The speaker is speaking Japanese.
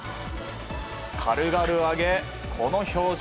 軽々上げ、この表情。